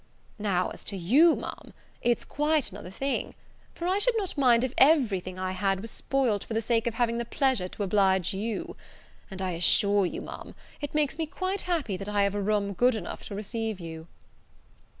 Now, as to you, Ma'am, it's quite another thing, for I should not mind if every thing I had was spoilt, for the sake of having the pleasure to oblige you; and I assure you, Ma'am, it makes me quite happy that I have a room good enough to receive you."